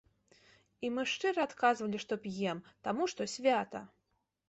І мы шчыра адказвалі, што п'ем, таму што свята.